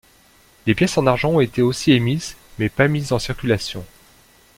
Des pièces en argent ont été aussi émises mais pas mises en circulation.